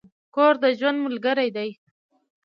کور د ژوند ملګری دی.